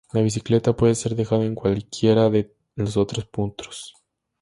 La bicicleta puede ser dejada en cualquiera de los otros puntos.